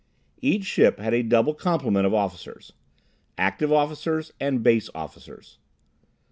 Each ship had a double complement of officers. Active Officers and Base Officers.